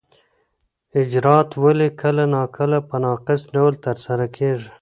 اجرات ولي کله ناکله په ناقص ډول ترسره کیږي؟